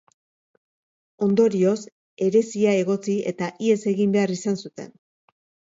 Ondorioz, heresia egotzi eta ihes egin behar izan zuten.